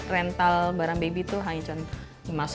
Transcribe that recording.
rental barang baby tuh hanya contoh lima ratus tiga ratus